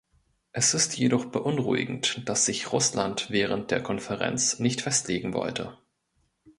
Es ist jedoch beunruhigend, dass sich Russland während der Konferenz nicht festlegen wollte.